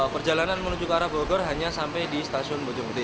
perjalanan menuju ke arah bogor hanya sampai di stasiun bojong gede